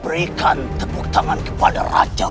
berikan tepuk tangan kepada raja